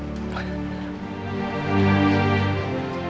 ya ya sunggu